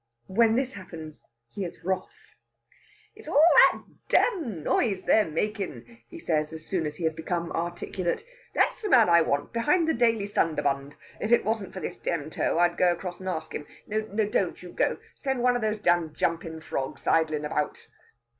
When this happens he is wroth. "It's that dam noise they're all makin'," he says, as soon as he has become articulate. "That's the man I want, behind the 'Daily Sunderbund.' If it wasn't for this dam toe, I'd go across and ask him. No, don't you go. Send one of these dam jumpin' frogs idlin' about!"